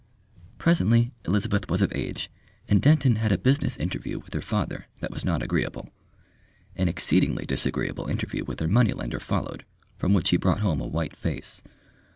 Presently Elizabeth was of age, and Denton had a business interview with her father that was not agreeable. An exceedingly disagreeable interview with their money lender followed, from which he brought home a white face.